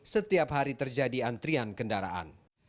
setiap hari terjadi antrian kendaraan